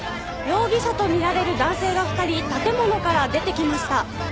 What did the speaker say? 容疑者と見られる男性が２人建物から出てきました。